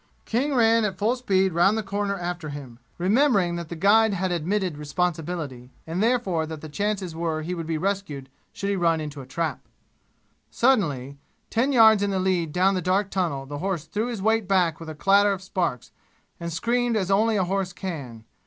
King ran at full speed round the corner after him, remembering that the guide had admitted responsibility, and therefore that the chances were he would be rescued should he run into a trap. Suddenly, ten yards in the lead down the dark tunnel the horse threw his weight back with a clatter of sparks and screamed as only a horse can.